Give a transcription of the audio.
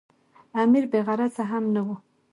امیر بې غرضه هم نه وو.